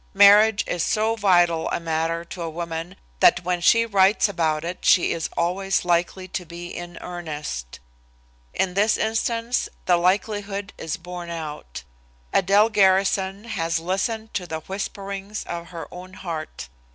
Marriage is so vital a matter to a woman that when she writes about it she is always likely to be in earnest. In this instance, the likelihood is borne out. Adele Garrison has listened to the whisperings of her own heart.